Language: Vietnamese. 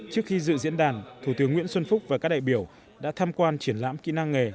trước khi dự diễn đàn thủ tướng nguyễn xuân phúc và các đại biểu đã tham quan triển lãm kỹ năng nghề